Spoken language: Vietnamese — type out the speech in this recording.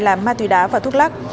là ma túy đá và thuốc lắc